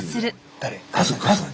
誰？